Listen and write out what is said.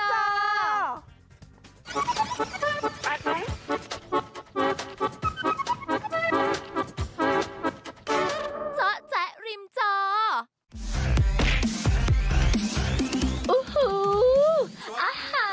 อู้หู้อ่าหา